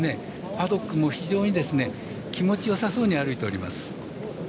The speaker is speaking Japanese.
パドックも非常に気持ちよさそうに歩いております。